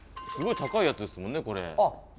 「すごい高いやつですもんねこれ。